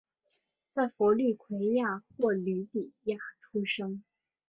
在佛律癸亚或吕底亚出生。